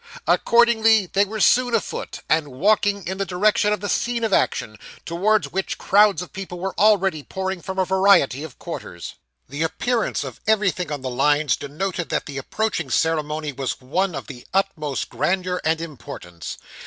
Accordingly they were soon afoot, and walking in the direction of the scene of action, towards which crowds of people were already pouring from a variety of quarters. The appearance of everything on the lines denoted that the approaching ceremony was one of the utmost grandeur and importance.